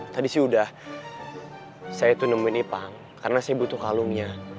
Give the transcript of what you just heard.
tadi sih udah saya itu nemuin ipang karena saya butuh kalungnya